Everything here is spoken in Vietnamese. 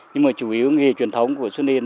nhưng mà chủ yếu nghề truyền thống của xuân yên